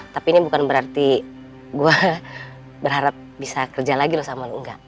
tapi ini bukan berarti gue berharap bisa kerja lagi loh sama enggak